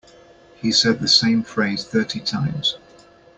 He said the same phrase thirty times.